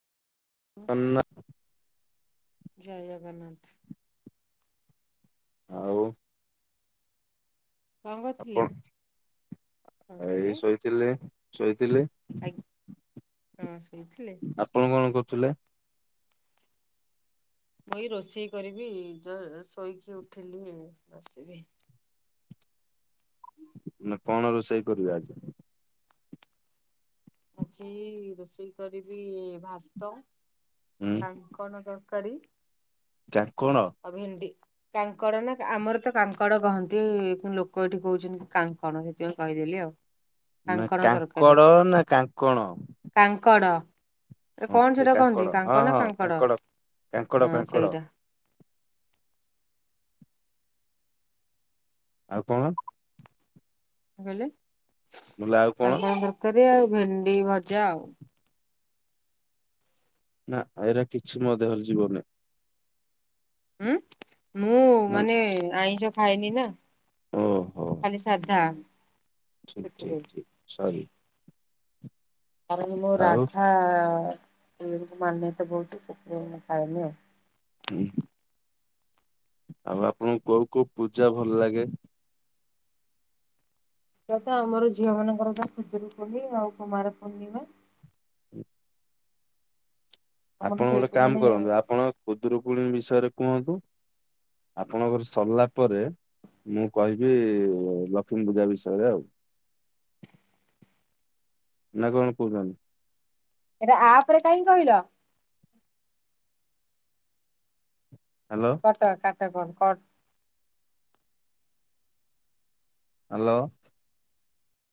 ଆଉ ଜୟ ଜଗନ୍ନାଥ। ଆଉ। କଣ କରିଥିଲେ ଆପଣ କଣ କହିଲେ। ଥିଲେ ଶୋଇଥିଲେ। ଆଜ୍ଞା ହିଁସେଇ ଥିଲେ। ଆପଣ କଣ କରୁଥିଲେ। ମୁଇ ରୋଷେଇ କରିବି ଶୋଇକି ଉଠିଥିଲି। ନା କଣ ରୋଷେଇ କରିବେ ଆଜି। ଆଜି ରୋଷେଇ କରିବି ଭାତ ଉଁ କହି କଣ ତରକୀରି। ଚା କଣ। ଆଉ ଭିଣ୍ଡି। କାଙ୍କଡ ନା ଆମର ତ କାଙ୍କଡ଼ କହନ୍ତି। ଲୋକ ଏଇଠି କହୁଛନ୍ତି କାଙ୍କଣ ସେଥିପାଇଁ କହିଦେଲି ଆଉ। ନା କାଙ୍କଣ ତରକାରୀ କାଙ୍କଡ ନା କାଙ୍କଣ? କାଙ୍କଡ଼। ହଁ କଣ ସେ ସେଟାକୁ କହନ୍ତି କାଙ୍କଡ ହଁ କାଙ୍କଣ ନା ହଁ କାଙ୍କଡ କାଙ୍କଡ ହଁ କାଙ୍କଡ ସେଇଟା। ଆଉ କଣ? କଣ କହିଲେ ବୋଲେ ଆଉ କଣ କାଙ୍କଣ ତରକାରୀ ଆଉ ଭେଣ୍ଡି ଭଜା ଆଉ। ନା ଏରା କିଛି ମୋ ଦେହରେ ଯିବନି। ହୁଁ ମୁଁ ମାନେ ଆଇଁଷ ଖାଇନି ନା। ଖାଲି ସାଧା। ସେଥିପାଇଁ ଠିକ-ଠିକ-ଠିକ ସରି। କାରଣ ମୁଁ ଆଉ ରାଧା [unintelligible] ମାନେ ତ ବହୁତ ସେଥିପାଇଁ ମୁଁ ଖାଏନି ଆଉ। ହୁଁ ହୁଁ। ଆଉ ଆପଣଙ୍କୁ କୋଉ କୋଉ ପୂଜା ଭଲ ଲାଗେ? ପୂଜା ତ ଆମର ଝିଅ ମାନଙ୍କର ତ ଖୁଦୁରୁକୁଣୀ ଆଉ କୁମାର ପୂର୍ଣ୍ଣିମା। [inaudible] ଆମର ଆପଣ ଗୋଟେ ସେଇଠି କାମ ମାନେ କରନ୍ତୁ ଏଇଟା ଆପଣ ଖୁଦୁରୁକୁଣୀ ବିଷୟରେ କୁହନ୍ତୁ। ଆପଣଙ୍କର ସରିଲା ପରେ ମୁଁ କହିବି ଲକ୍ଷ୍ମୀ ପୂଜା ବିଷୟରେ ଆଉ। ନା କଣ କହୁଛନ୍ତି? ଏଟା ଆପ ରେ କାହିଁ କି କହିଲ? ହ୍ୟାଲୋ। କାଟ କାଟ କଲ୍ କଟ୍। ହ୍ୟାଲୋ।